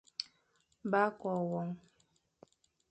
Ba kôa won.